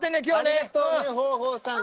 ありがとうね豊豊さん。